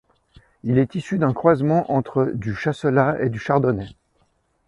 Il est issu d'un croisement entre du chasselas et du chardonnay.